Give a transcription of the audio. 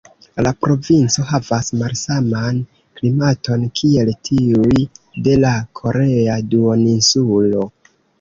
La provinco havas malsaman klimaton kiel tiuj de la korea duoninsulo.